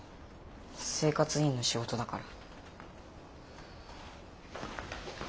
生活委員の仕事だから。